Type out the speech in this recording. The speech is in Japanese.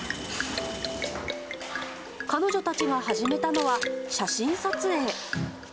彼女たちが始めたのは、写真撮影。